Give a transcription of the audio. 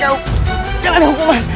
ini raja suri